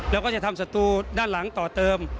แล้วก็จะทำศัตรูด้านหลังต่อเติม